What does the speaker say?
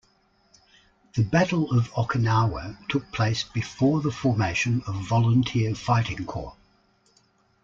The Battle of Okinawa took place before the formation of Volunteer Fighting Corps.